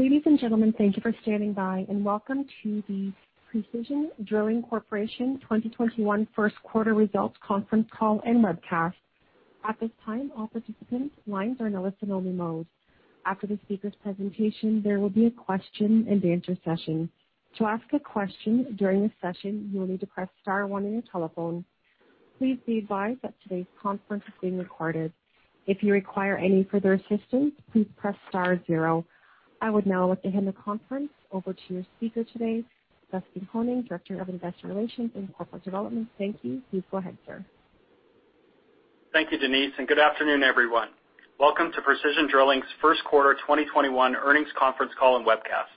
Ladies and gentlemen, thank you for standing by, and welcome to the Precision Drilling Corporation 2021 first quarter results conference call and webcast. At this time, all participants lines are in listen-only mode. After the speaker's presentation, there will be a question and answer session. To ask a question during the session, you will need to press star one on your telephone. Please be advised that today's conference is being recorded. If you require any further assistance, please press star zero. I would now like to hand the conference over to your speaker today, Dustin Honing, Director of Investor Relations and Corporate Development. Thank you. Please go ahead, sir. Thank you, Denise, and good afternoon, everyone. Welcome to Precision Drilling's first quarter 2021 earnings conference call and webcast.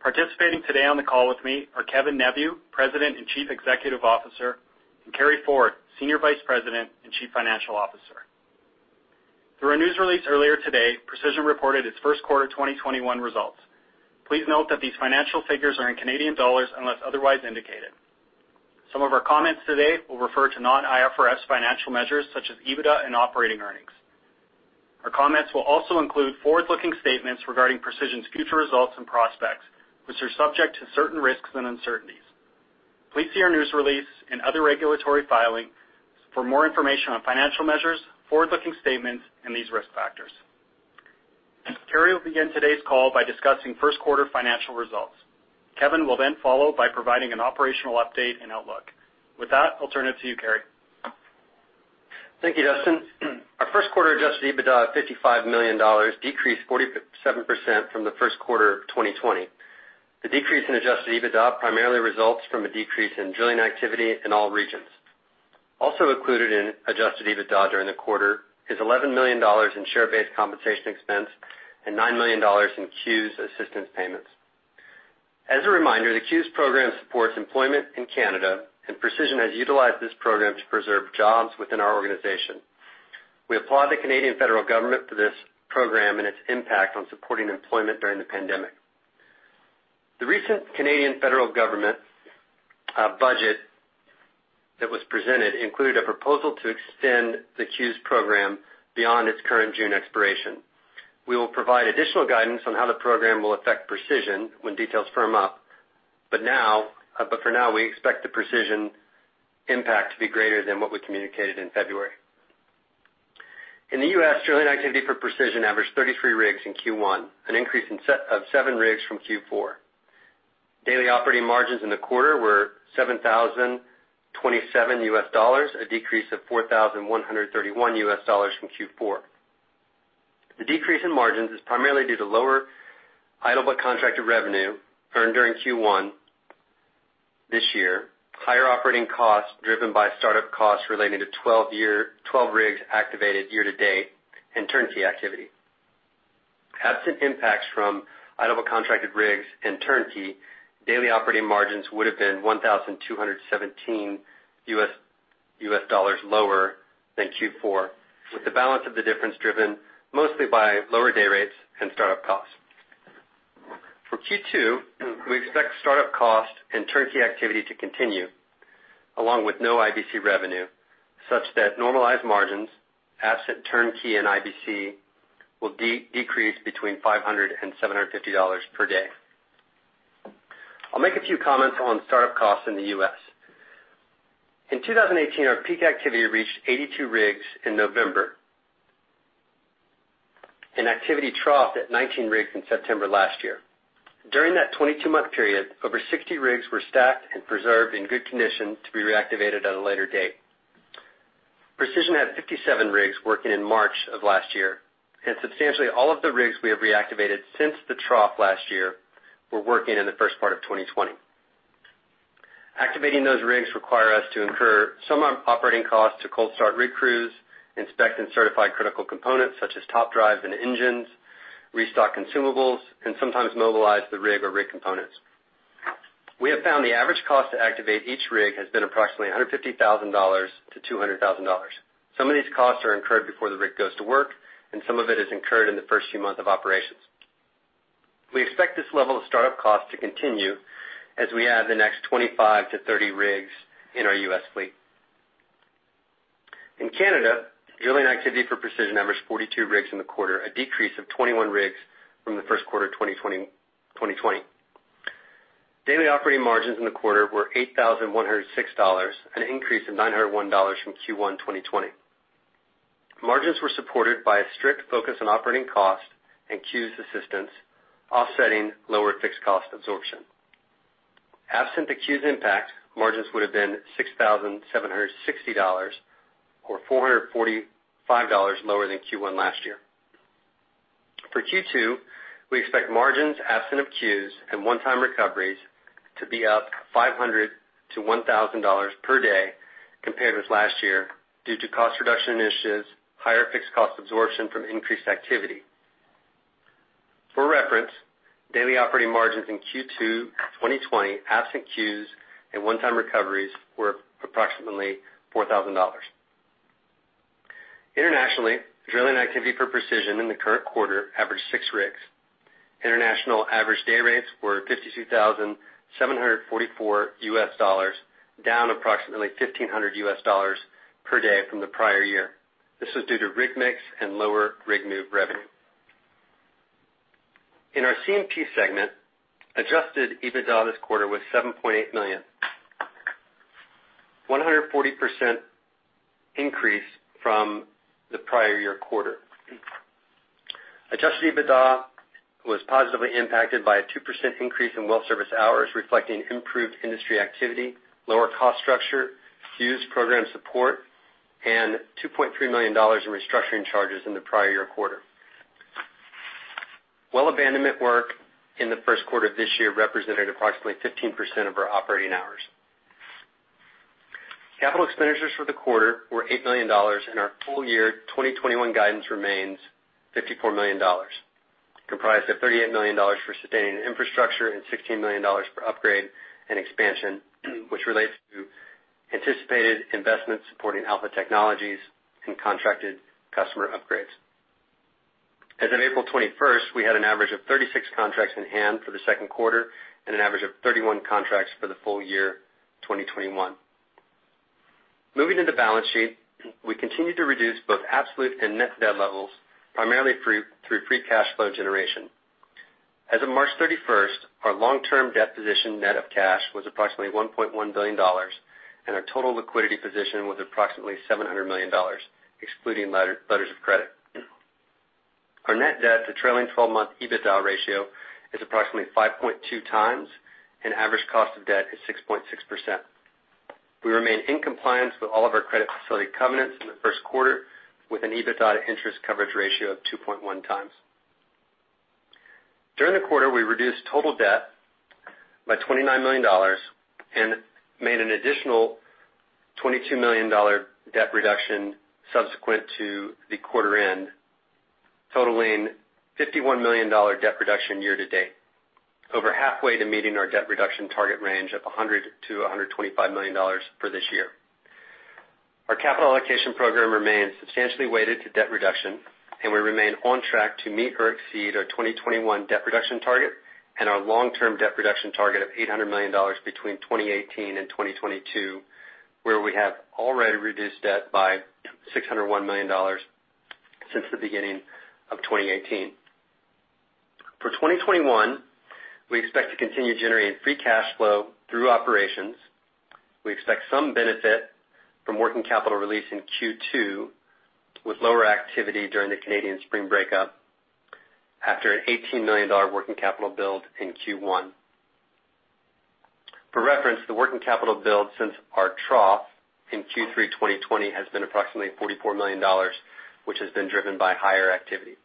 Participating today on the call with me are Kevin Neveu, President and Chief Executive Officer, and Carey Ford, Senior Vice President and Chief Financial Officer. Through our news release earlier today, Precision reported its first quarter 2021 results. Please note that these financial figures are in Canadian dollars unless otherwise indicated. Some of our comments today will refer to non-IFRS financial measures such as EBITDA and operating earnings. Our comments will also include forward-looking statements regarding Precision's future results and prospects, which are subject to certain risks and uncertainties. Please see our news release and other regulatory filings for more information on financial measures, forward-looking statements, and these risk factors. Carey will begin today's call by discussing first quarter financial results. Kevin will then follow by providing an operational update and outlook. With that, I'll turn it to you, Carey. Thank you, Dustin. Our first quarter Adjusted EBITDA of 55 million dollars decreased 47% from the first quarter of 2020. The decrease in Adjusted EBITDA primarily results from a decrease in drilling activity in all regions. Also included in Adjusted EBITDA during the quarter is 11 million dollars in share-based compensation expense and 9 million dollars in CEWS assistance payments. As a reminder, the CEWS program supports employment in Canada. Precision has utilized this program to preserve jobs within our organization. We applaud the Canadian federal government for this program and its impact on supporting employment during the pandemic. The recent Canadian federal government budget that was presented included a proposal to extend the CEWS program beyond its current June expiration. We will provide additional guidance on how the program will affect Precision when details firm up. For now, we expect the Precision impact to be greater than what we communicated in February. In the U.S., drilling activity for Precision averaged 33 rigs in Q1, an increase of seven rigs from Q4. Daily operating margins in the quarter were $7,027, a decrease of $4,131 from Q4. The decrease in margins is primarily due to lower idle but contracted revenue earned during Q1 this year, higher operating costs driven by startup costs relating to 12 rigs activated year to date, and turnkey activity. Absent impacts from idle contracted rigs and turnkey, daily operating margins would have been $1,217 lower than Q4, with the balance of the difference driven mostly by lower day rates and start-up costs. For Q2, we expect start-up costs and turnkey activity to continue, along with no IBC revenue, such that normalized margins, absent turnkey and IBC, will decrease between 500 and 750 dollars per day. I'll make a few comments on start-up costs in the U.S. In 2018, our peak activity reached 82 rigs in November and activity troughed at 19 rigs in September last year. During that 22-month period, over 60 rigs were stacked and preserved in good condition to be reactivated at a later date. Precision had 57 rigs working in March of last year, and substantially all of the rigs we have reactivated since the trough last year were working in the first part of 2020. Activating those rigs require us to incur some operating costs to cold start rig crews, inspect and certify critical components such as top drives and engines, restock consumables, and sometimes mobilize the rig or rig components. We have found the average cost to activate each rig has been approximately 150,000-200,000 dollars. Some of these costs are incurred before the rig goes to work, and some of it is incurred in the first few months of operations. We expect this level of start-up costs to continue as we add the next 25-30 rigs in our US fleet. In Canada, drilling activity for Precision averaged 42 rigs in the quarter, a decrease of 21 rigs from the first quarter of 2020. Daily operating margins in the quarter were 8,106 dollars, an increase of 901 dollars from Q1 2020. Margins were supported by a strict focus on operating costs and CEWS assistance, offsetting lower fixed cost absorption. Absent the CEWS impact, margins would have been 6,760 dollars or 445 dollars lower than Q1 last year. For Q2, we expect margins absent of CEWS and one-time recoveries to be up 500-1,000 dollars per day compared with last year due to cost reduction initiatives, higher fixed cost absorption from increased activity. For reference, daily operating margins in Q2 2020, absent CEWS and one-time recoveries, were approximately 4,000 dollars. Internationally, drilling activity for Precision in the current quarter averaged six rigs. International average day rates were $52,744, down approximately $1,500 per day from the prior year. This was due to rig mix and lower rig move revenue. In our C&P segment, Adjusted EBITDA this quarter was 7.8 million, a 140% increase from the prior year quarter. Adjusted EBITDA was positively impacted by a 2% increase in well service hours, reflecting improved industry activity, lower cost structure, CEWS program support, and 2.3 million dollars in restructuring charges in the prior year quarter. Well abandonment work in the first quarter of this year represented approximately 15% of our operating hours. Capital expenditures for the quarter were 8 million dollars, and our full year 2021 guidance remains 54 million dollars, comprised of 38 million dollars for sustaining infrastructure and 16 million dollars for upgrade and expansion, which relates to anticipated investments supporting Alpha technologies and contracted customer upgrades. As of April 21st, we had an average of 36 contracts in hand for the second quarter and an average of 31 contracts for the full year 2021. Moving to the balance sheet, we continued to reduce both absolute and net debt levels primarily through free cash flow generation. As of March 31st, our long-term debt position net of cash was approximately 1.1 billion dollars, and our total liquidity position was approximately 700 million dollars, excluding letters of credit. Our net debt to trailing 12-month EBITDA ratio is approximately 5.2 times, and average cost of debt is 6.6%. We remain in compliance with all of our credit facility covenants in the first quarter, with an EBITDA interest coverage ratio of 2.1 times. During the quarter, we reduced total debt by 29 million dollars and made an additional 22 million dollar debt reduction subsequent to the quarter end, totaling 51 million dollar debt reduction year-to-date, over halfway to meeting our debt-reduction target range of 100 million-125 million dollars for this year. Our capital allocation program remains substantially weighted to debt reduction, and we remain on track to meet or exceed our 2021 debt reduction target and our long term debt reduction target of 800 million dollars between 2018 and 2022, where we have already reduced debt by 601 million dollars since the beginning of 2018. For 2021, we expect to continue generating free cash flow through operations. We expect some benefit from working capital release in Q2 with lower activity during the Canadian spring breakup after a 18 million dollar working capital build in Q1. For reference, the working capital build since our trough in Q3 2020 has been approximately 44 million dollars, which has been driven by higher activity.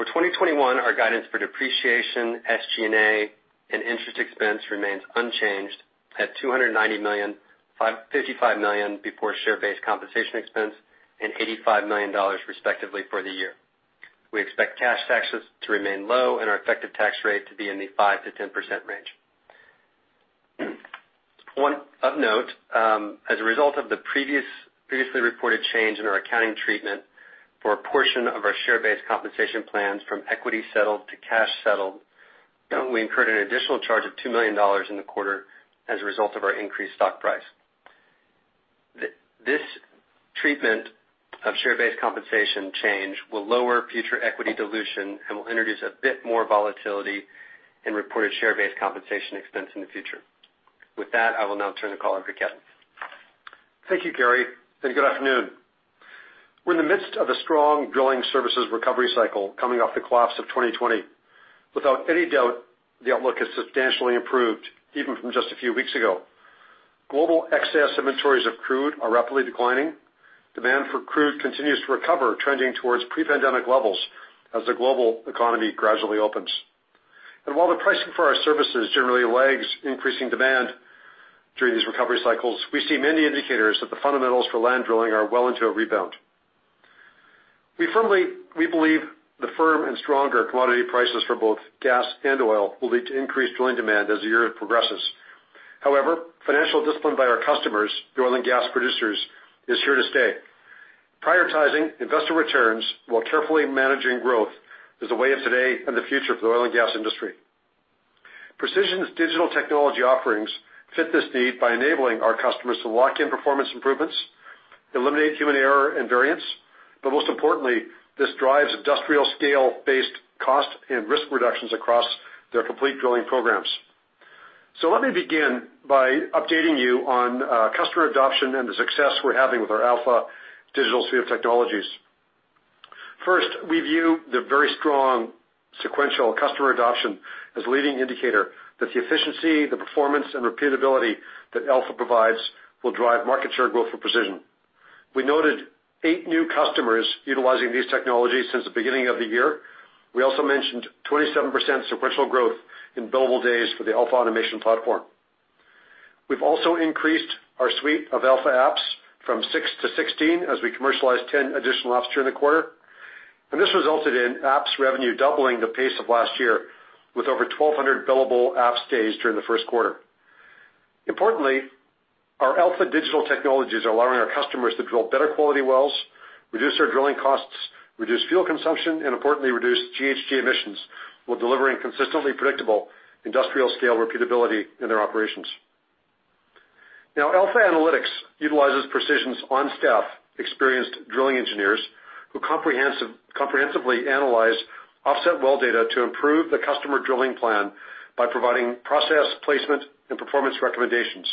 For 2021, our guidance for depreciation, SG&A, and interest expense remains unchanged at 290 million, 55 million before share-based compensation expense, and 85 million dollars respectively for the year. We expect cash taxes to remain low and our effective tax rate to be in the 5%-10% range. One of note, as a result of the previously reported change in our accounting treatment for a portion of our share-based compensation plans from equity settled to cash settled, we incurred an additional charge of 2 million dollars in the quarter as a result of our increased stock price. This treatment of share-based compensation change will lower future equity dilution and will introduce a bit more volatility in reported share-based compensation expense in the future. With that, I will now turn the call over to Kevin. Thank you, Carey, good afternoon. We're in the midst of a strong drilling services recovery cycle coming off the collapse of 2020. Without any doubt, the outlook has substantially improved even from just a few weeks ago. Global excess inventories of crude are rapidly declining. Demand for crude continues to recover, trending towards pre-pandemic levels as the global economy gradually opens. While the pricing for our services generally lags increasing demand during these recovery cycles, we see many indicators that the fundamentals for land drilling are well into a rebound. We believe the firm and stronger commodity prices for both gas and oil will lead to increased drilling demand as the year progresses. However, financial discipline by our customers, the oil and gas producers, is here to stay. Prioritizing investor returns while carefully managing growth is the way of today and the future for the oil and gas industry. Precision's digital technology offerings fit this need by enabling our customers to lock in performance improvements, eliminate human error and variance, but most importantly, this drives industrial scale-based cost and risk reductions across their complete drilling programs. Let me begin by updating you on customer adoption and the success we're having with our Alpha digital suite of technologies. First, we view the very strong sequential customer adoption as leading indicator that the efficiency, the performance, and repeatability that Alpha provides will drive market share growth for Precision. We noted eight new customers utilizing these technologies since the beginning of the year. We also mentioned 27% sequential growth in billable days for the AlphaAutomation platform. We've also increased our suite of AlphaApps from six to 16 as we commercialized 10 additional apps during the quarter. This resulted in apps revenue doubling the pace of last year with over 1,200 billable apps days during the first quarter. Importantly, our Alpha digital technologies are allowing our customers to drill better quality wells. Reduce our drilling costs, reduce fuel consumption, and importantly, reduce GHG emissions while delivering consistently predictable industrial scale repeatability in their operations. AlphaAnalytics utilizes Precision's on-staff experienced drilling engineers who comprehensively analyze offset well data to improve the customer drilling plan by providing process, placement, and performance recommendations.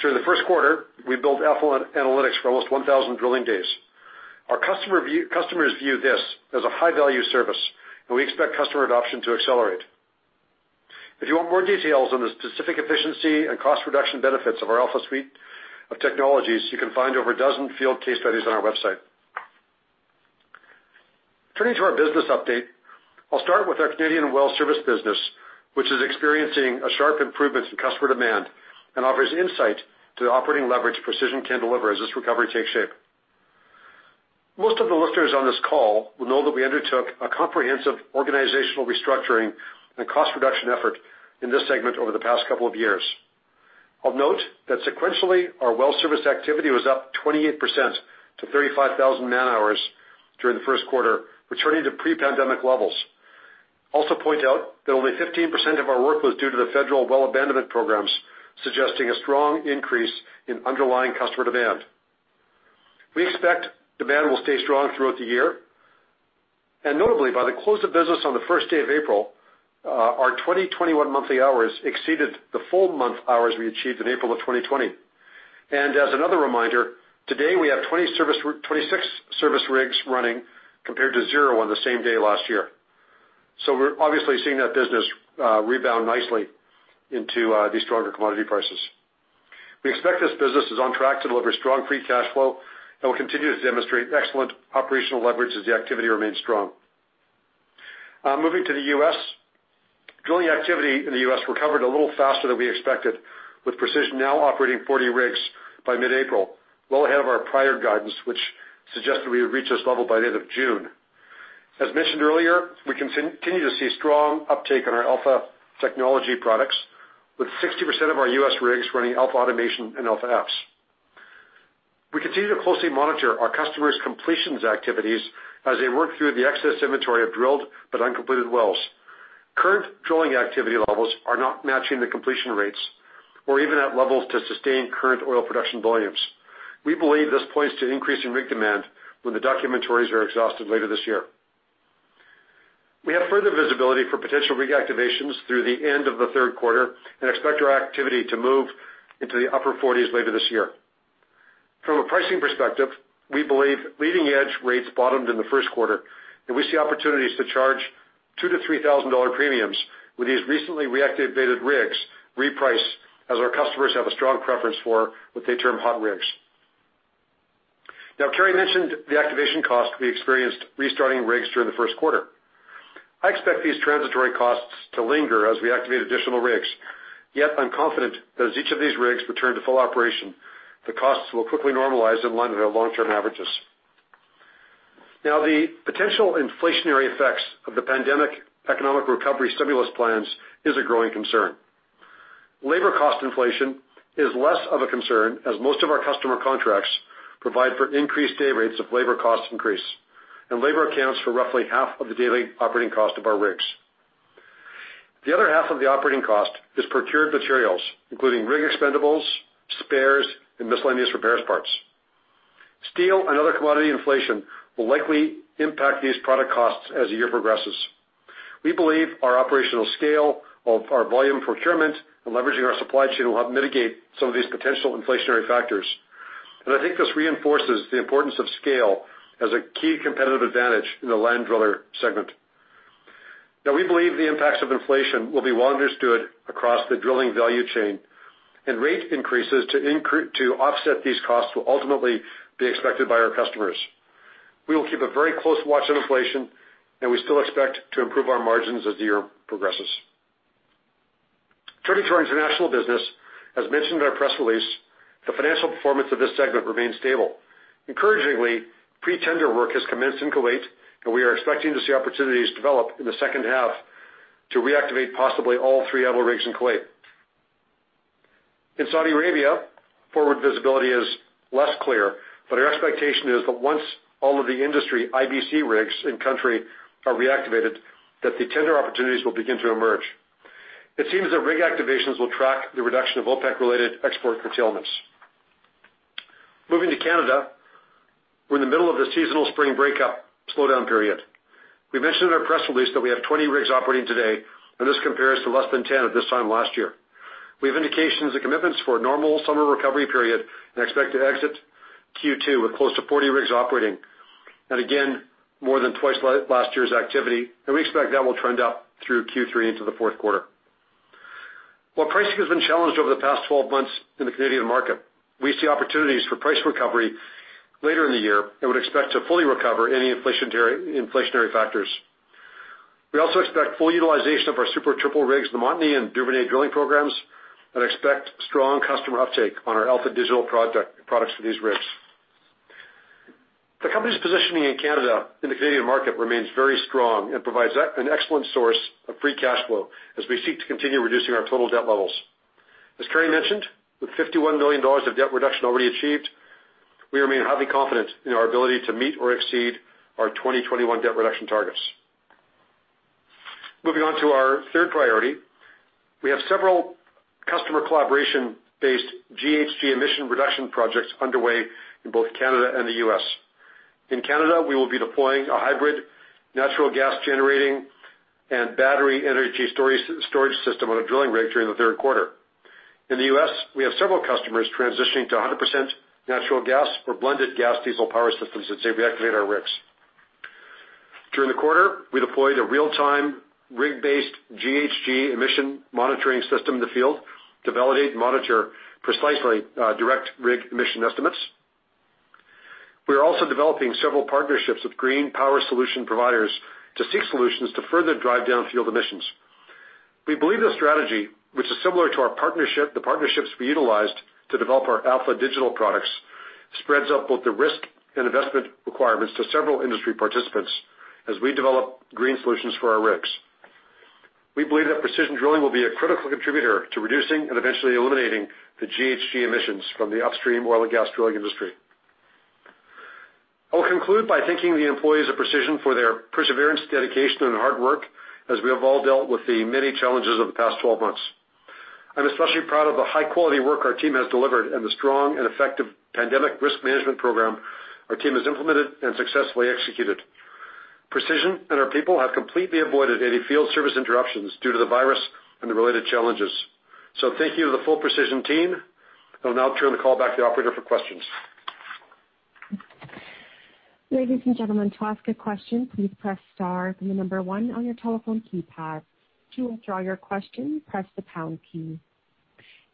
During the first quarter, we built AlphaAnalytics for almost 1,000 drilling days. Our customers view this as a high-value service. We expect customer adoption to accelerate. If you want more details on the specific efficiency and cost reduction benefits of our Alpha suite of technologies, you can find over a dozen field case studies on our website. Turning to our business update, I'll start with our Canadian Well Service business, which is experiencing a sharp improvement in customer demand and offers insight to the operating leverage Precision can deliver as this recovery takes shape. Most of the listeners on this call will know that we undertook a comprehensive organizational restructuring and cost reduction effort in this segment over the past couple of years. I'll note that sequentially, our well service activity was up 28% to 35,000 man-hours during the first quarter, returning to pre-pandemic levels. Also point out that only 15% of our work was due to the Federal Well Abandonment Programs, suggesting a strong increase in underlying customer demand. We expect demand will stay strong throughout the year. Notably, by the close of business on the first day of April, our 2021 monthly hours exceeded the full month hours we achieved in April of 2020. As another reminder, today we have 26 service rigs running compared to zero on the same day last year. We're obviously seeing that business rebound nicely into these stronger commodity prices. We expect this business is on track to deliver strong free cash flow and will continue to demonstrate excellent operational leverage as the activity remains strong. Moving to the U.S. Drilling activity in the U.S. recovered a little faster than we expected, with Precision now operating 40 rigs by mid-April. Well ahead of our prior guidance, which suggested we would reach this level by the end of June. As mentioned earlier, we continue to see strong uptake on our Alpha technology products, with 60% of our U.S. rigs running AlphaAutomation and AlphaApps. We continue to closely monitor our customers' completions activities as they work through the excess inventory of drilled but uncompleted wells. Current drilling activity levels are not matching the completion rates or even at levels to sustain current oil production volumes. We believe this points to increasing rig demand when the DUC inventories are exhausted later this year. We have further visibility for potential reactivations through the end of the third quarter and expect our activity to move into the upper 40s later this year. From a pricing perspective, we believe leading edge rates bottomed in the first quarter, and we see opportunities to charge 2,000-3,000 dollar premiums with these recently reactivated rigs reprice as our customers have a strong preference for what they term hot rigs. Carey mentioned the activation cost we experienced restarting rigs during the first quarter. I expect these transitory costs to linger as we activate additional rigs, yet I'm confident that as each of these rigs return to full operation, the costs will quickly normalize in line with our long-term averages. The potential inflationary effects of the pandemic economic recovery stimulus plans is a growing concern. Labor cost inflation is less of a concern as most of our customer contracts provide for increased day rates if labor costs increase. Labor accounts for roughly half of the daily operating cost of our rigs. The other half of the operating cost is procured materials, including rig expendables, spares, and miscellaneous repairs parts. Steel and other commodity inflation will likely impact these product costs as the year progresses. We believe our operational scale of our volume procurement and leveraging our supply chain will help mitigate some of these potential inflationary factors. I think this reinforces the importance of scale as a key competitive advantage in the land driller segment. Now, we believe the impacts of inflation will be well understood across the drilling value chain, and rate increases to offset these costs will ultimately be expected by our customers. We will keep a very close watch on inflation, and we still expect to improve our margins as the year progresses. Turning to our international business, as mentioned in our press release, the financial performance of this segment remains stable. Encouragingly, pre-tender work has commenced in Kuwait, and we are expecting to see opportunities develop in the second half to reactivate possibly all three idle rigs in Kuwait. In Saudi Arabia, forward visibility is less clear, but our expectation is that once all of the industry IBC rigs in country are reactivated, that the tender opportunities will begin to emerge. It seems that rig activations will track the reduction of OPEC-related export curtailments. Moving to Canada, we're in the middle of the seasonal spring break-up slowdown period. We mentioned in our press release that we have 20 rigs operating today, and this compares to less than 10 at this time last year. We have indications and commitments for a normal summer recovery period and expect to exit Q2 with close to 40 rigs operating, and again, more than twice last year's activity, and we expect that will trend out through Q3 into the fourth quarter. While pricing has been challenged over the past 12 months in the Canadian market, we see opportunities for price recovery later in the year and would expect to fully recover any inflationary factors. We also expect full utilization of our Super Triple rigs, the Montney and Duvernay drilling programs, and expect strong customer uptake on our Alpha digital products for these rigs. The company's positioning in Canada in the Canadian market remains very strong and provides an excellent source of free cash flow as we seek to continue reducing our total debt levels. As Carey mentioned, with 51 million dollars of debt reduction already achieved, we remain highly confident in our ability to meet or exceed our 2021 debt reduction targets. Moving on to our third priority. We have several customer collaboration-based GHG emission reduction projects underway in both Canada and the U.S. In Canada, we will be deploying a hybrid natural gas generating and battery energy storage system on a drilling rig during the third quarter. In the U.S., we have several customers transitioning to 100% natural gas or blended gas diesel power systems as they reactivate our rigs. During the quarter, we deployed a real-time rig-based GHG emission monitoring system in the field to validate and monitor precisely direct rig emission estimates. We are also developing several partnerships with green power solution providers to seek solutions to further drive down field emissions. We believe this strategy, which is similar to the partnerships we utilized to develop our Alpha Digital products, spreads out both the risk and investment requirements to several industry participants as we develop green solutions for our rigs. We believe that Precision Drilling will be a critical contributor to reducing and eventually eliminating the GHG emissions from the upstream oil and gas drilling industry. I'll conclude by thanking the employees of Precision for their perseverance, dedication, and hard work as we have all dealt with the many challenges of the past 12 months. I'm especially proud of the high-quality work our team has delivered and the strong and effective pandemic risk management program our team has implemented and successfully executed. Precision and our people have completely avoided any field service interruptions due to the virus and the related challenges. Thank you to the full Precision team. I'll now turn the call back to the operator for questions.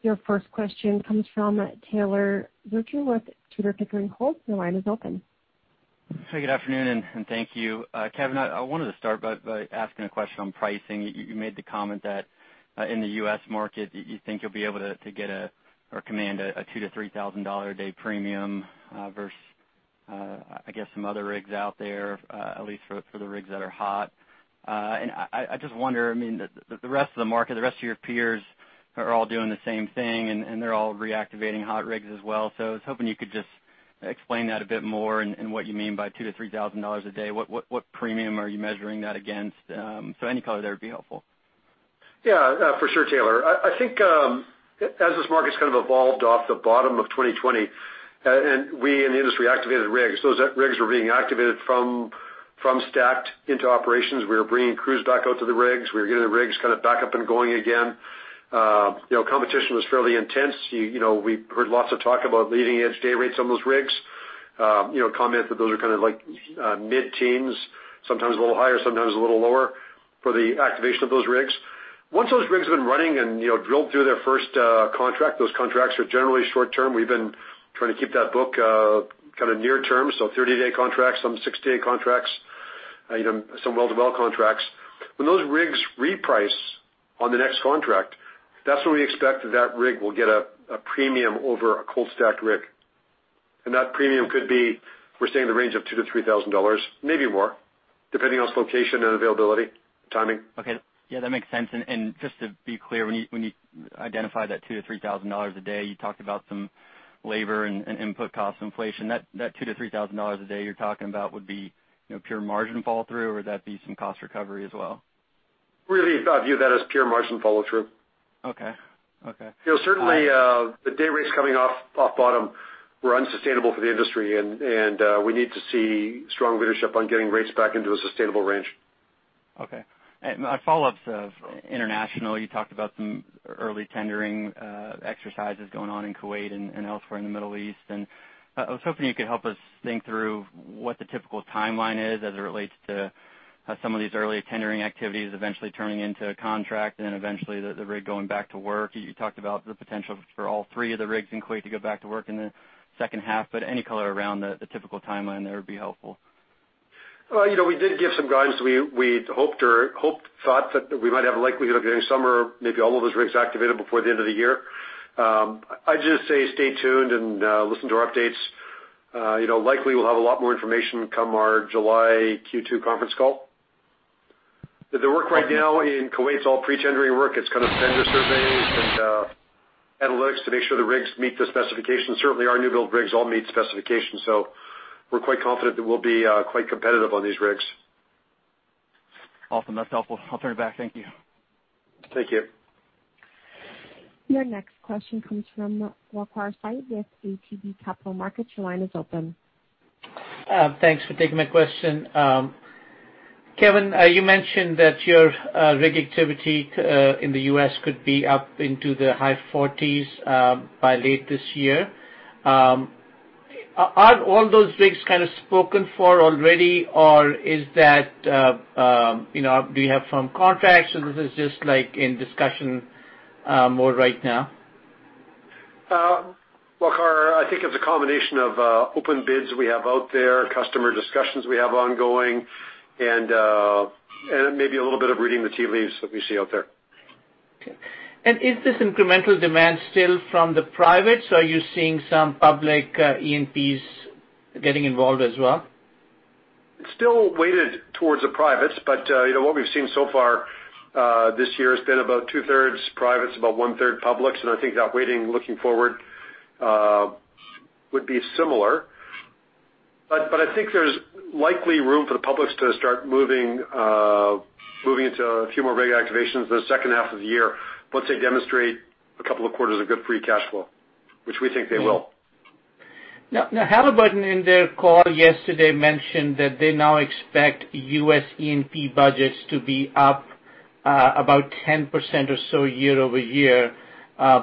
Your first question comes from Taylor Richardson with Tudor, Pickering, Holt. Your line is open. Good afternoon. Thank you. Kevin, I wanted to start by asking a question on pricing. You made the comment that in the U.S. market, you think you'll be able to get a, or command a $2,000 to $3,000 a day premium versus some other rigs out there, at least for the rigs that are hot. I just wonder, the rest of the market, the rest of your peers are all doing the same thing, and they're all reactivating hot rigs as well. I was hoping you could just explain that a bit more and what you mean by $2,000 to $3,000 a day. What premium are you measuring that against? Any color there would be helpful. Yeah, for sure, Taylor. I think as this market's kind of evolved off the bottom of 2020, and we in the industry activated rigs. Those rigs were being activated from stacked into operations. We were bringing crews back out to the rigs. We were getting the rigs back up and going again. Competition was fairly intense. We've heard lots of talk about leading-edge day rates on those rigs. Comments that those are kind of like mid-teens, sometimes a little higher, sometimes a little lower for the activation of those rigs. Once those rigs have been running and drilled through their first contract, those contracts are generally short-term. We've been trying to keep that book near-term, so 30-day contracts, some 60-day contracts, some well-to-well contracts. When those rigs reprice on the next contract, that's when we expect that that rig will get a premium over a cold stacked rig. That premium could be, we're saying in the range of 2,000-3,000 dollars, maybe more, depending on location and availability, timing. Okay. Yeah, that makes sense. Just to be clear, when you identified that 2,000-3,000 dollars a day, you talked about some labor and input cost inflation. That 2,000-3,000 dollars a day you're talking about would be pure margin fall through, or would that be some cost recovery as well? Really, I view that as pure margin follow through. Okay. Certainly, the day rates coming off bottom were unsustainable for the industry, and we need to see strong leadership on getting rates back into a sustainable range. Okay. A follow-up to international, you talked about some early tendering exercises going on in Kuwait and elsewhere in the Middle East. I was hoping you could help us think through what the typical timeline is as it relates to some of these early tendering activities eventually turning into a contract and then eventually the rig going back to work. You talked about the potential for all three of the rigs in Kuwait to go back to work in the second half, but any color around the typical timeline there would be helpful. We did give some guidance. We'd hoped or thought that we might have a likelihood of getting some or maybe all of those rigs activated before the end of the year. I'd just say stay tuned and listen to our updates. Likely we'll have a lot more information come our July Q2 conference call. The work right now in Kuwait's all pre-tendering work. It's kind of vendor surveys and analytics to make sure the rigs meet the specifications. Certainly, our new build rigs all meet specifications, so we're quite confident that we'll be quite competitive on these rigs. Awesome. That's helpful. I'll turn it back. Thank you. Thank you. Your next question comes from Waqar Syed with ATB Capital Markets. Your line is open. Thanks for taking my question. Kevin, you mentioned that your rig activity in the U.S. could be up into the high 40s by late this year. Are all those rigs kind of spoken for already? Do you have firm contracts, or this is just like in discussion mode right now? Waqar, I think it's a combination of open bids we have out there, customer discussions we have ongoing, and maybe a little bit of reading the tea leaves that we see out there. Okay. Is this incremental demand still from the privates, or are you seeing some public E&Ps getting involved as well? It's still weighted towards the privates, but what we've seen so far this year has been about two-thirds privates, about one-third publics, and I think that weighting looking forward would be similar. I think there's likely room for the publics to start moving into a few more rig activations in the second half of the year once they demonstrate a couple of quarters of good free cash flow, which we think they will. Halliburton in their call yesterday mentioned that they now expect U.S. E&P budgets to be up about 10% or so year-over-year.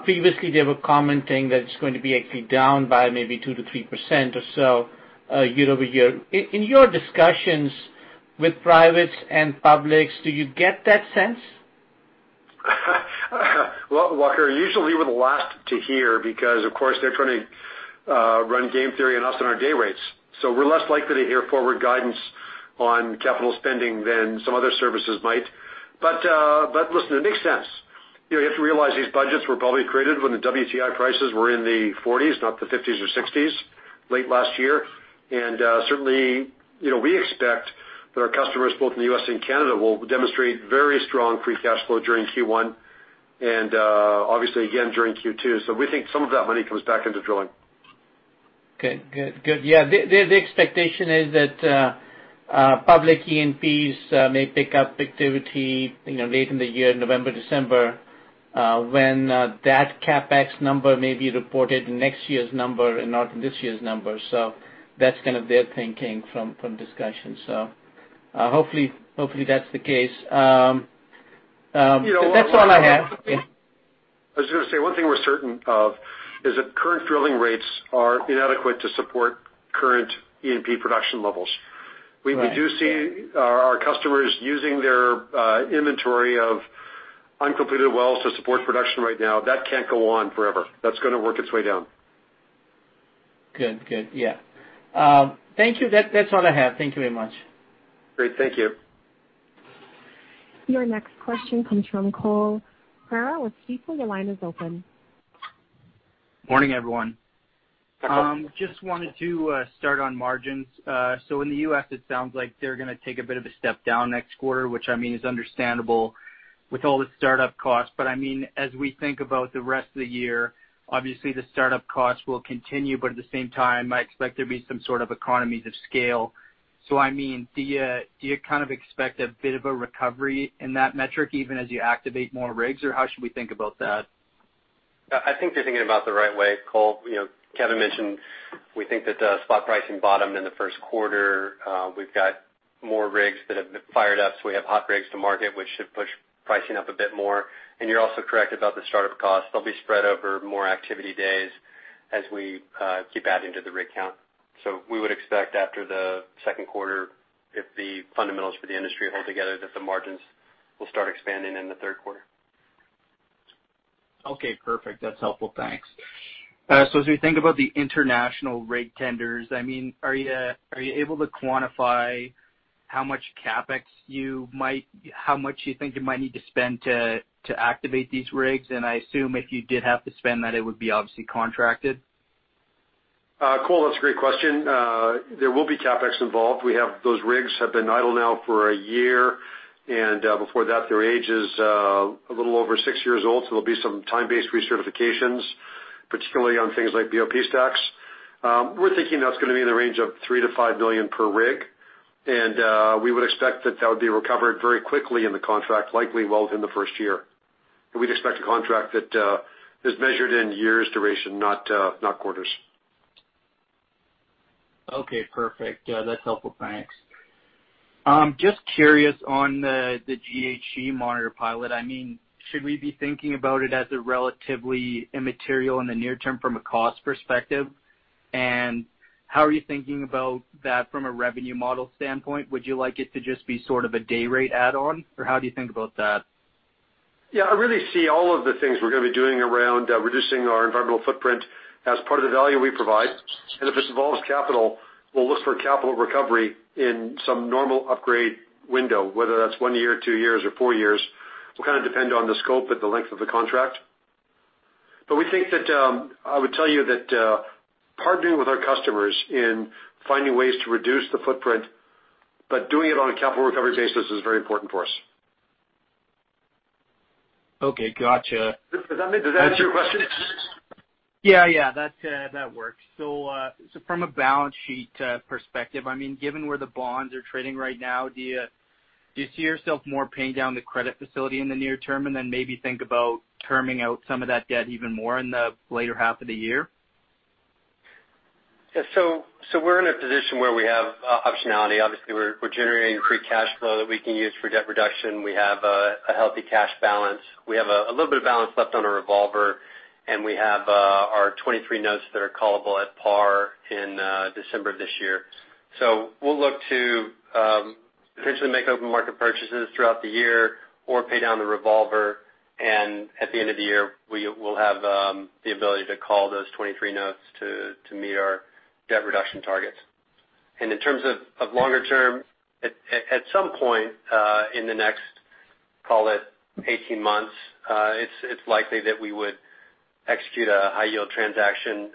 Previously, they were commenting that it's going to be actually down by maybe 2%-3% or so year-over-year. In your discussions with privates and publics, do you get that sense? Well, Waqar Syed, usually we're the last to hear because, of course, they're trying to run game theory on us and our day rates. We're less likely to hear forward guidance on capital spending than some other services might. Listen, it makes sense. You have to realize these budgets were probably created when the WTI prices were in the 40s, not the 50s or 60s late last year. Certainly we expect that our customers, both in the U.S. and Canada, will demonstrate very strong free cash flow during Q1 and obviously again during Q2. We think some of that money comes back into drilling. Okay, good. Yeah. The expectation is that public E&Ps may pick up activity late in the year, November, December, when that CapEx number may be reported in next year's number and not in this year's number. That's kind of their thinking from discussions. Hopefully that's the case. That's all I have. Yeah. I was gonna say, one thing we're certain of is that current drilling rates are inadequate to support current E&P production levels. Right. Yeah. We do see our customers using their inventory of uncompleted wells to support production right now. That can't go on forever. That's gonna work its way down. Good. Yeah. Thank you. That's all I have. Thank you very much. Great. Thank you. Your next question comes from Cole Pereira with Stifel. Your line is open. Morning, everyone. Just wanted to start on margins. In the U.S. it sounds like they're going to take a bit of a step down next quarter, which I mean is understandable with all the startup costs. I mean, as we think about the rest of the year, obviously the startup costs will continue, but at the same time, I expect there to be some sort of economies of scale. I mean, do you kind of expect a bit of a recovery in that metric even as you activate more rigs, or how should we think about that? I think you're thinking about it the right way, Cole. Kevin mentioned we think that the spot pricing bottomed in the first quarter. We've got more rigs that have been fired up, so we have hot rigs to market, which should push pricing up a bit more. You're also correct about the startup costs. They'll be spread over more activity days as we keep adding to the rig count. We would expect after the second quarter, if the fundamentals for the industry hold together, that the margins will start expanding in the third quarter. Okay, perfect. That's helpful. Thanks. As we think about the international rig tenders, are you able to quantify how much you think you might need to spend to activate these rigs? I assume if you did have to spend that it would be obviously contracted. Cole, that's a great question. There will be CapEx involved. Those rigs have been idle now for a year, and before that their age is a little over six years old, so there'll be some time-based recertifications, particularly on things like BOP stacks. We're thinking that's gonna be in the range of 3 million-5 million per rig, and we would expect that that would be recovered very quickly in the contract, likely well within the first year. We'd expect a contract that is measured in years duration, not quarters. Okay, perfect. That's helpful. Thanks. Just curious on the GHG monitor pilot. Should we be thinking about it as a relatively immaterial in the near term from a cost perspective? And how are you thinking about that from a revenue model standpoint? Would you like it to just be sort of a day rate add-on, or how do you think about that? Yeah, I really see all of the things we're gonna be doing around reducing our environmental footprint as part of the value we provide. If it involves capital, we'll look for capital recovery in some normal upgrade window, whether that's one year, two years, or four years, will kind of depend on the scope and the length of the contract. I would tell you that partnering with our customers in finding ways to reduce the footprint, but doing it on a capital recovery basis is very important for us. Okay, gotcha. Does that answer your question? Yeah. That works. From a balance sheet perspective, given where the bonds are trading right now, do you see yourself more paying down the credit facility in the near term and then maybe think about terming out some of that debt even more in the later half of the year? We're in a position where we have optionality. Obviously, we're generating free cash flow that we can use for debt reduction. We have a healthy cash balance. We have a little bit of balance left on our revolver, and we have our '23 notes that are callable at par in December of this year. We'll look to potentially make open market purchases throughout the year or pay down the revolver, and at the end of the year, we will have the ability to call those '23 notes to meet our debt reduction targets. In terms of longer term, at some point in the next Call it 18 months, it's likely that we would execute a high yield transaction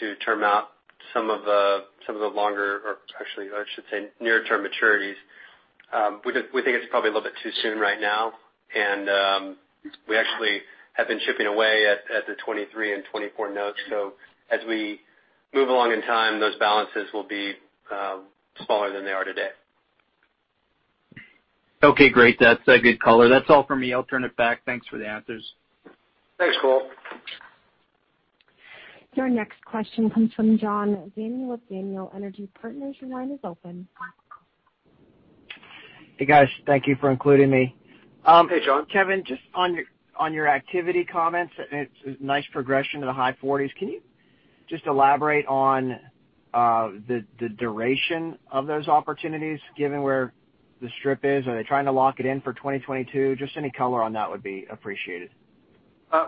to term out some of the longer, or actually I should say, nearer term maturities. We think it's probably a little bit too soon right now. We actually have been chipping away at the 2023 and 2024 notes. As we move along in time, those balances will be smaller than they are today. Okay, great. That's a good color. That's all for me. I'll turn it back. Thanks for the answers. Thanks, Cole. Your next question comes from John Daniel with Daniel Energy Partners. Your line is open. Hey, guys. Thank you for including me. Hey, John. Kevin, just on your activity comments, it's a nice progression to the high 40s. Can you just elaborate on the duration of those opportunities, given where the strip is? Are they trying to lock it in for 2022? Just any color on that would be appreciated.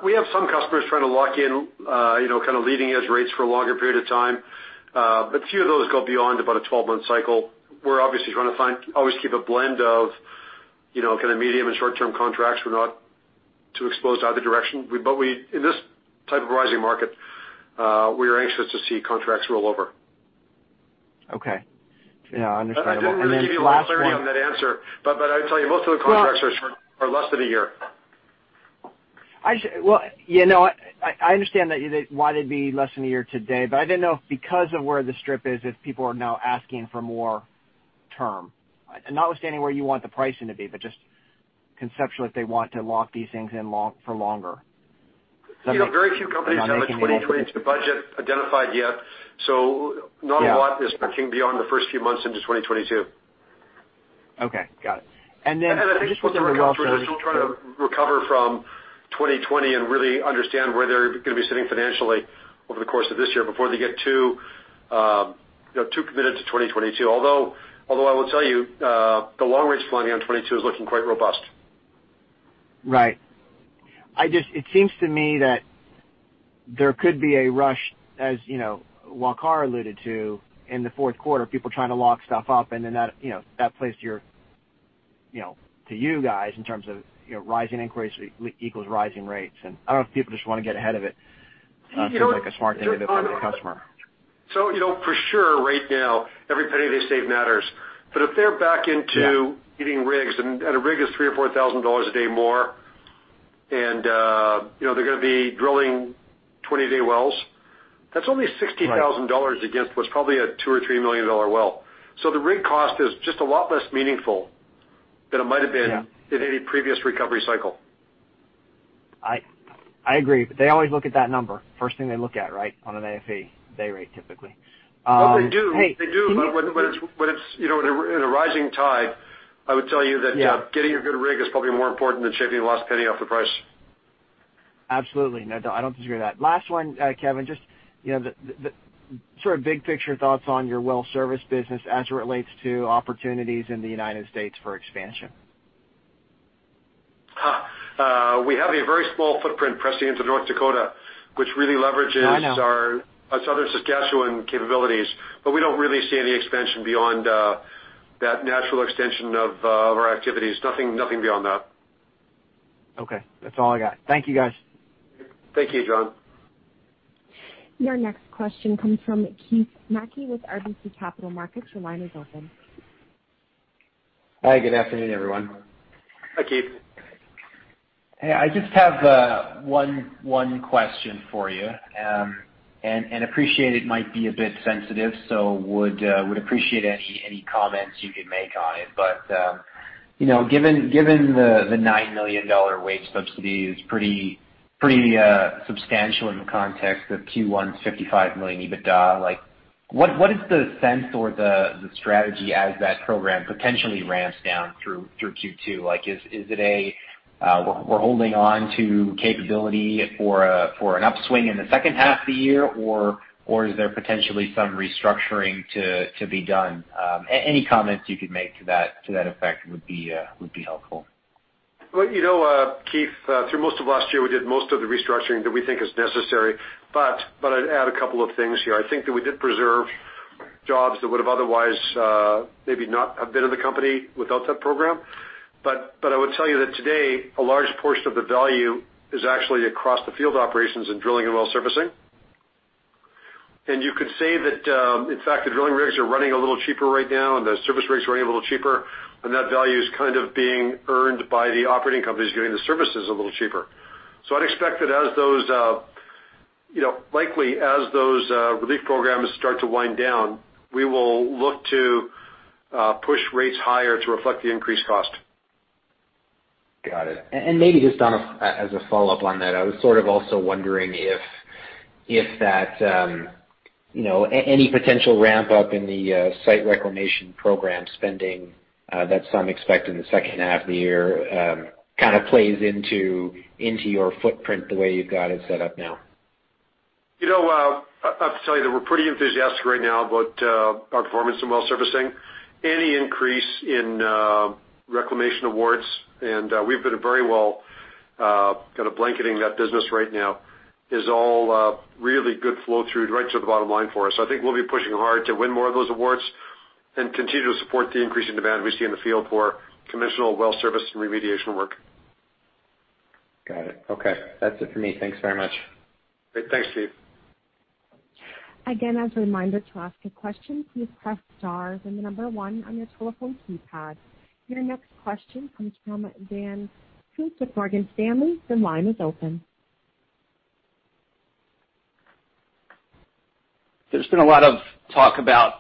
We have some customers trying to lock in, kind of leading edge rates for a longer period of time. Few of those go beyond about a 12-month cycle. We're obviously trying to always keep a blend of, kind of medium and short-term contracts. We're not too exposed to either direction. In this type of rising market, we are anxious to see contracts roll over. Okay. Yeah, understandable. Last one. I didn't mean to give you a long answer on that answer, but I'll tell you, most of the contracts are less than a year. I understand that you want it be less than one year today, but I didn't know if because of where the strip is, if people are now asking for more term. Notwithstanding where you want the pricing to be, but just conceptually, if they want to lock these things in for longer. Very few companies have a 2022 budget identified yet, so not a lot is looking beyond the first few months into 2022. Okay, got it. I think some of the companies are still trying to recover from 2020 and really understand where they're gonna be sitting financially over the course of this year before they get too committed to 2022. Although, I will tell you, the long-range planning on 2022 is looking quite robust. Right. It seems to me that there could be a rush, as Waqar alluded to in the fourth quarter, people trying to lock stuff up. That plays to you guys in terms of rising inquiries equals rising rates. I don't know if people just want to get ahead of it. Seems like a smart thing to do from the customer. For sure right now, every penny they save matters. If they're back into getting rigs, and a rig is 3,000 or 4,000 dollars a day more, and they're gonna be drilling 20-day wells, that's only 60,000 dollars against what's probably a 2 million or 3 million dollar well. The rig cost is just a lot less meaningful than it might've been in any previous recovery cycle. I agree. They always look at that number. First thing they look at, right? On an AFE, day rate, typically. No, they do. Hey, Kevin, In a rising tide, I would tell you that getting a good rig is probably more important than shaving the last penny off the price. Absolutely. No, I don't disagree with that. Last one, Kevin, just sort of big picture thoughts on your well service business as it relates to opportunities in the United States for expansion. We have a very small footprint presently into North Dakota, which really leverages. I know. our Southern Saskatchewan capabilities. We don't really see any expansion beyond that natural extension of our activities. Nothing beyond that. Okay. That's all I got. Thank you, guys. Thank you, John. Your next question comes from Keith Mackey with RBC Capital Markets. Your line is open. Hi, good afternoon, everyone. Hi, Keith. Hey, I just have one question for you. Appreciate it might be a bit sensitive, so would appreciate any comments you could make on it. Given the 9 million dollar Wage Subsidy is pretty substantial in the context of Q1's 55 million EBITDA, what is the sense or the strategy as that program potentially ramps down through Q2? Is it, we're holding on to capability for an upswing in the second half of the year, or is there potentially some restructuring to be done? Any comments you could make to that effect would be helpful. Well, Keith, through most of last year, we did most of the restructuring that we think is necessary. I'd add a couple of things here. I think that we did preserve jobs that would've otherwise maybe not have been in the company without that program. I would tell you that today, a large portion of the value is actually across the field operations in drilling and well servicing. You could say that, in fact, the drilling rigs are running a little cheaper right now, and the service rigs are running a little cheaper, and that value is kind of being earned by the operating companies giving the services a little cheaper. I'd expect that likely, as those relief programs start to wind down, we will look to push rates higher to reflect the increased cost. Got it. Maybe just as a follow-up on that, I was sort of also wondering if any potential ramp-up in the site reclamation program spending that some expect in the second half of the year kind of plays into your footprint the way you've got it set up now. I'll have to tell you that we're pretty enthusiastic right now about our performance in well servicing. Any increase in reclamation awards, and we've been very well kind of blanketing that business right now, is all really good flow-through right to the bottom line for us. I think we'll be pushing hard to win more of those awards and continue to support the increase in demand we see in the field for conventional well service and remediation work. Got it. Okay. That's it for me. Thanks very much. Great. Thanks, Keith Mackey. Again, as a reminder, to ask a question, please press star, then the number one on your telephone keypad. Your next question comes from Ryan Koontz with Morgan Stanley. Your line is open. There's been a lot of talk about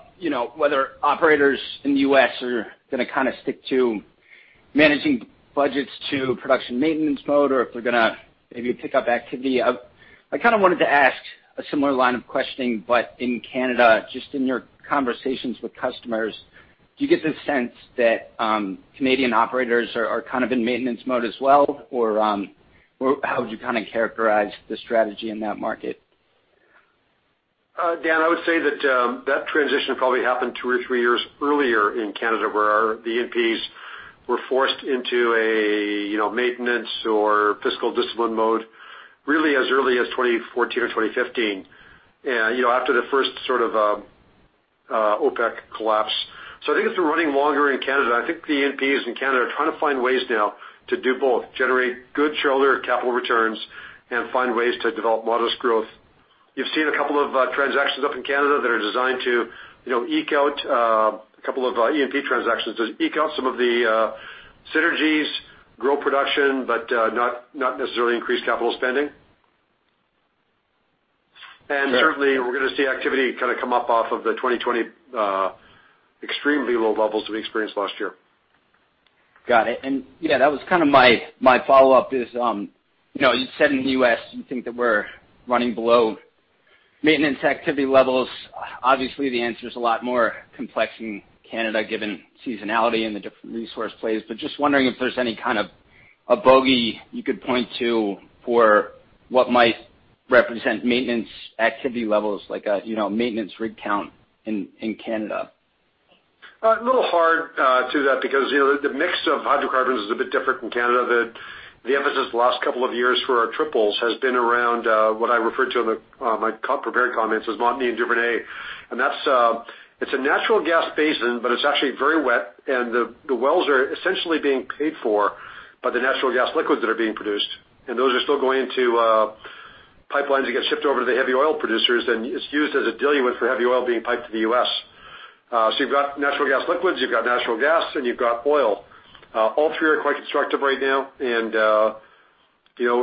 whether operators in the U.S. are going to stick to managing budgets to production maintenance mode or if they're going to maybe pick up activity. I wanted to ask a similar line of questioning, but in Canada, just in your conversations with customers, do you get the sense that Canadian operators are in maintenance mode as well? Or how would you characterize the strategy in that market? Dan, I would say that transition probably happened two or three years earlier in Canada, where our E&Ps were forced into a maintenance or fiscal discipline mode really as early as 2014 or 2015, after the first OPEC collapse. I think it's been running longer in Canada. I think the E&Ps in Canada are trying to find ways now to do both generate good shareholder capital returns and find ways to develop modest growth. You've seen a couple of transactions up in Canada that are designed to eke out a couple of E&P transactions, to eke out some of the synergies, grow production, but not necessarily increase capital spending. Certainly, we're going to see activity come up off of the 2020 extremely low levels that we experienced last year. Got it. That was my follow-up is, you said in the U.S. you think that we're running below maintenance activity levels. Obviously, the answer's a lot more complex in Canada given seasonality and the different resource plays. Just wondering if there's any kind of a bogey you could point to for what might represent maintenance activity levels like a maintenance rig count in Canada. A little hard to that because the mix of hydrocarbons is a bit different in Canada. The emphasis the last couple of years for our triples has been around what I referred to on my prepared comments as Montney and Duvernay. It's a natural gas basin, but it's actually very wet and the wells are essentially being paid for by the natural gas liquids that are being produced. Those are still going into pipelines that get shipped over to the heavy oil producers, and it's used as a diluent for heavy oil being piped to the U.S. You've got natural gas liquids, you've got natural gas, and you've got oil. All three are quite constructive right now and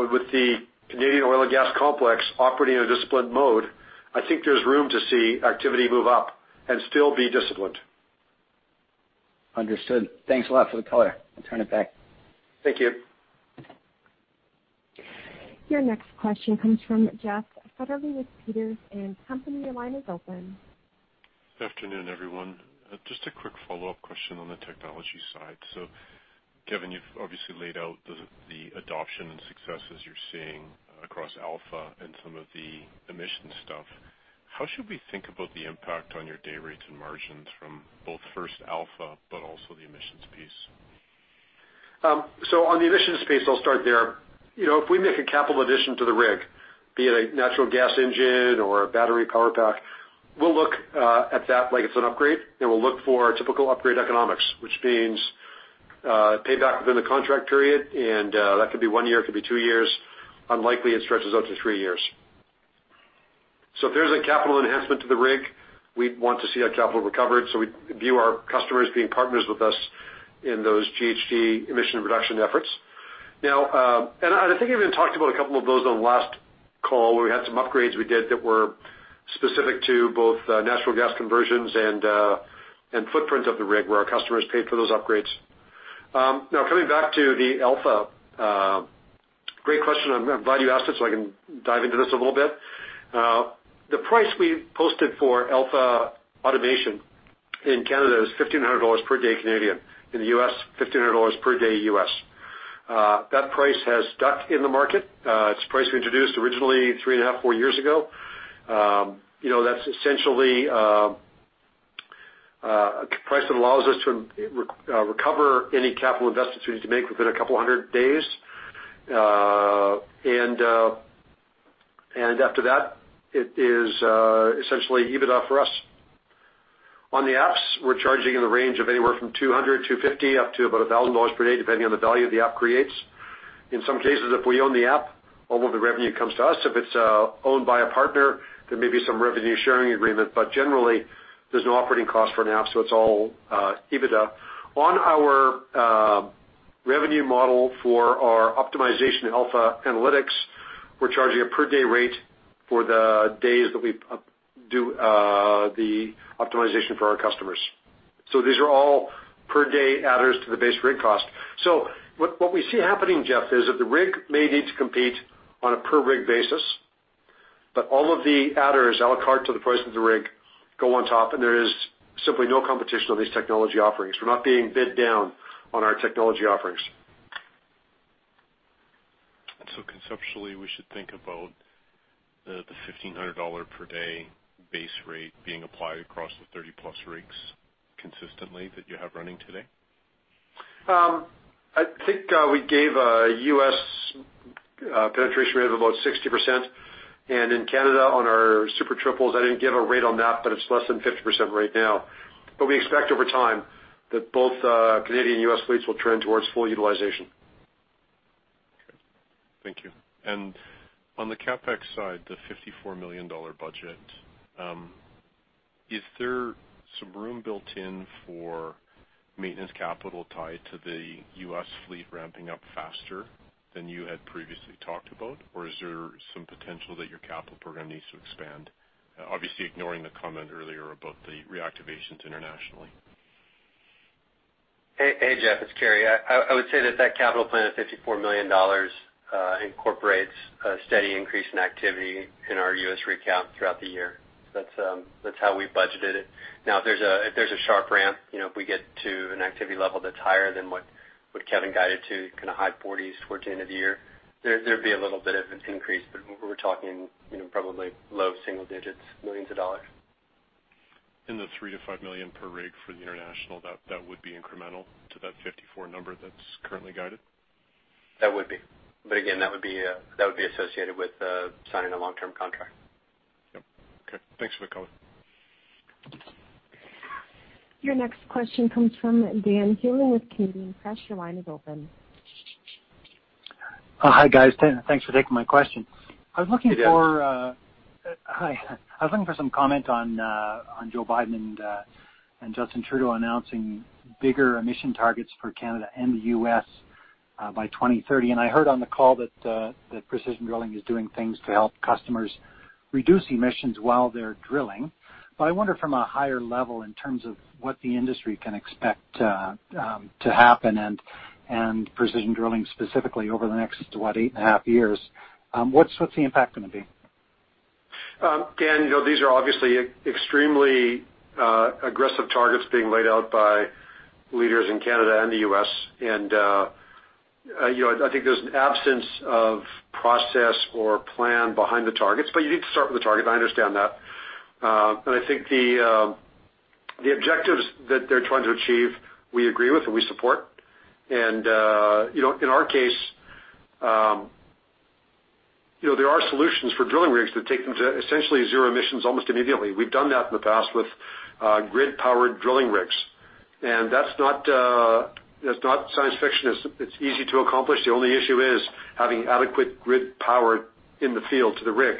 with the Canadian oil and gas complex operating in a disciplined mode, I think there's room to see activity move up and still be disciplined. Understood. Thanks a lot for the color. I'll turn it back. Thank you. Your next question comes from Jeff Fetterly with Peters & Co. Limited. Your line is open. Good afternoon, everyone. Just a quick follow-up question on the technology side. Kevin, you've obviously laid out the adoption and successes you're seeing across Alpha and some of the emissions stuff. How should we think about the impact on your day rates and margins from both first Alpha, but also the emissions piece? On the emissions piece, I'll start there. If we make a capital addition to the rig, be it a natural gas engine or a battery power pack, we'll look at that like it's an upgrade, and we'll look for typical upgrade economics, which means payback within the contract period. That could be one year, it could be two years. Unlikely it stretches out to three years. If there's a capital enhancement to the rig, we'd want to see our capital recovered. We view our customers being partners with us in those GHG emission reduction efforts. I think I even talked about a couple of those on the last call where we had some upgrades we did that were specific to both natural gas conversions and footprint of the rig where our customers paid for those upgrades. Coming back to the Alpha, great question. I'm glad you asked it so I can dive into this a little bit. The price we posted for AlphaAutomation in Canada is 1,500 dollars per day. In the U.S., $1,500 per day U.S. That price has stuck in the market. It's a price we introduced originally three and a half, four years ago. That's essentially a price that allows us to recover any capital investments we need to make within a couple of 100 days. After that, it is essentially EBITDA for us. On the AlphaApps, we're charging in the range of anywhere from 200, 250 up to about 1,000 dollars per day, depending on the value the app creates. In some cases, if we own the app, all of the revenue comes to us. If it's owned by a partner, there may be some revenue sharing agreement, generally there's no operating cost for an app, it's all EBITDA. On our revenue model for our optimization AlphaAnalytics, we're charging a per day rate for the days that we do the optimization for our customers. These are all per day adders to the base rig cost. What we see happening, Jeff, is that the rig may need to compete on a per rig basis, all of the adders a la carte to the price of the rig go on top, there is simply no competition on these technology offerings. We're not being bid down on our technology offerings. Conceptually, we should think about the 1,500 dollar per day base rate being applied across the 30 plus rigs consistently that you have running today? I think we gave a U.S. penetration rate of about 60%. In Canada, on our Super Triples, I didn't give a rate on that, but it's less than 50% right now. We expect over time that both Canadian and U.S. fleets will trend towards full utilization. Okay. Thank you. On the CapEx side, the 54 million dollar budget, is there some room built in for maintenance capital tied to the U.S. fleet ramping up faster than you had previously talked about? Is there some potential that your capital program needs to expand? Ignoring the comment earlier about the reactivations internationally. Hey, Jeff Fetterly, it's Carey. I would say that capital plan of 54 million dollars incorporates a steady increase in activity in our U.S. recap throughout the year. That's how we budgeted it. If there's a sharp ramp, if we get to an activity level that's higher than what Kevin Neveu guided to, high 40s towards the end of the year, there'd be a little bit of an increase. We're talking probably low single digits, millions of CAD. In the 3 million-5 million per rig for the international, that would be incremental to that 54 number that's currently guided? That would be. Again, that would be associated with signing a long-term contract. Yep. Okay. Thanks for the color. Your next question comes from Dan Healing with Canadian Press. Your line is open. Oh, hi, guys. Thanks for taking my question. Hey, Dan. Hi. I was looking for some comment on Joe Biden and Justin Trudeau announcing bigger emission targets for Canada and the U.S. by 2030. I heard on the call that Precision Drilling is doing things to help customers reduce emissions while they're drilling. I wonder from a higher level in terms of what the industry can expect to happen, and Precision Drilling specifically over the next, what, eight and a half years. What's the impact going to be? Dan Healing, these are obviously extremely aggressive targets being laid out by leaders in Canada and the U.S. I think there's an absence of process or plan behind the targets, but you need to start with the target, and I understand that. I think the objectives that they're trying to achieve, we agree with and we support. In our case, there are solutions for drilling rigs that take them to essentially zero emissions almost immediately. We've done that in the past with grid-powered drilling rigs. That's not science fiction. It's easy to accomplish. The only issue is having adequate grid power in the field to the rig.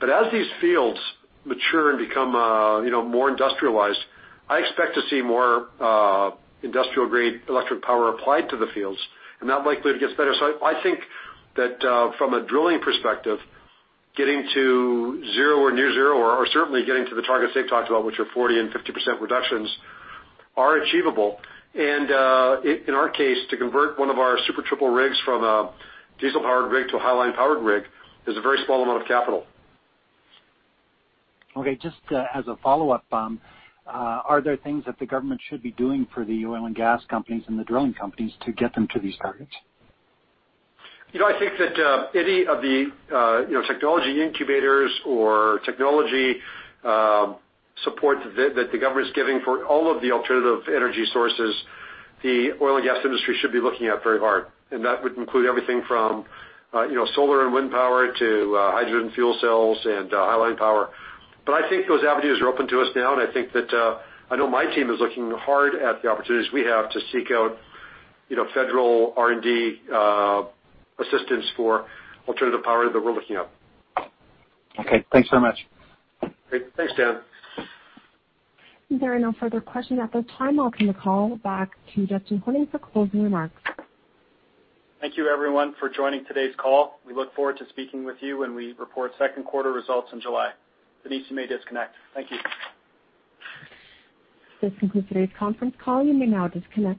As these fields mature and become more industrialized, I expect to see more industrial-grade electric power applied to the fields, and that likely gets better. I think that from a drilling perspective, getting to zero or near zero, or certainly getting to the targets they've talked about, which are 40% and 50% reductions, are achievable. In our case, to convert one of our Super Triple rigs from a diesel-powered rig to a high-line powered rig is a very small amount of capital. Okay, just as a follow-up, are there things that the government should be doing for the oil and gas companies and the drilling companies to get them to these targets? I think that any of the technology incubators or technology support that the government's giving for all of the alternative energy sources, the oil and gas industry should be looking at very hard. That would include everything from solar and wind power to hydrogen fuel cells and highline power. I think those avenues are open to us now, and I think that I know my team is looking hard at the opportunities we have to seek out federal R&D assistance for alternative power that we're looking at. Okay, thanks very much. Great. Thanks, Dan. There are no further questions at this time. I'll turn the call back to Dustin Honing for closing remarks. Thank you everyone for joining today's call. We look forward to speaking with you when we report second quarter results in July. Denise, you may disconnect. Thank you. This concludes today's conference call. You may now disconnect.